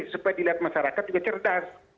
supaya dilihat masyarakat juga cerdas